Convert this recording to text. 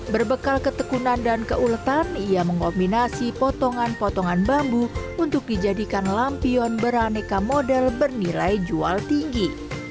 berbekal ketekunan dan keuletan ia mengombinasi potongan potongan bambu untuk dijadikan lampion beraneka model bernilai jual tinggi